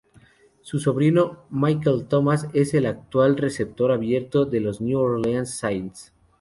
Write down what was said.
Su sobrino, Michael Thomas, es el actual receptor abierto de los New Orleans Saints.